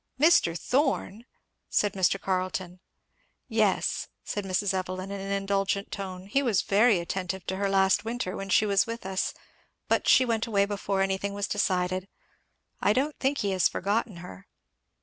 "Mr. Thorn!" said Mr. Carleton. "Yes," said Mrs. Evelyn in an indulgent tone, "he was very attentive to her last winter when she was with us, but she went away before anything was decided. I don't think he has forgotten her."